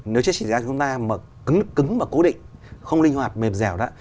nếu trách tỷ giá của chúng ta mà cứng và cố định không linh hoạt mềm dẻo đó